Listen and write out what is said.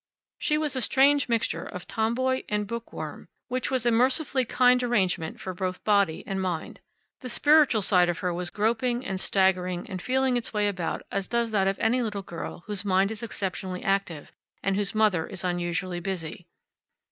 She was a strange mixture of tomboy and bookworm, which was a mercifully kind arrangement for both body and mind. The spiritual side of her was groping and staggering and feeling its way about as does that of any little girl whose mind is exceptionally active, and whose mother is unusually busy.